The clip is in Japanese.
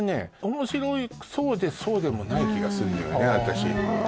面白そうでそうでもない気がすんのよね